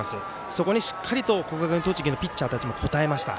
そこにしっかりと国学院栃木のピッチャーたちも応えました。